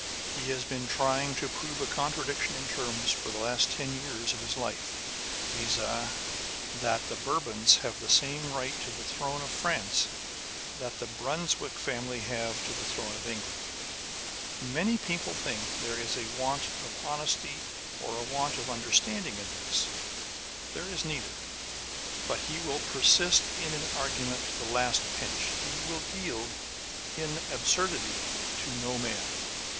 He has been trying to prove a contradiction in terms for the last ten years of his life, viz., that the Bourbons have the same right to the throne of France that the Brunswick family have to the throne of England. Many people think there is a want of On the Conversation of Authors. 43 honesty or a want of understanding in this. There is neither. But he will persist in an argument to the last pinch ; he will yield, in absurdity, to no man